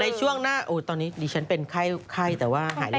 ในช่วงหน้าตอนนี้ดิฉันเป็นไข้แต่ว่าหายแล้ว